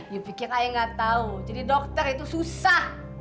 you pikir ay gak tau jadi dokter itu susah